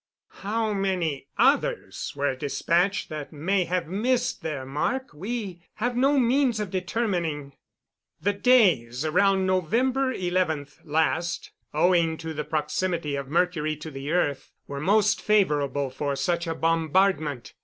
How many others were dispatched that may have missed their mark we have no means of determining. The days around November 11 last, owing to the proximity of Mercury to the earth, were most favorable for such a bombardment.